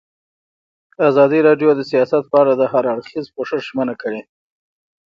ازادي راډیو د سیاست په اړه د هر اړخیز پوښښ ژمنه کړې.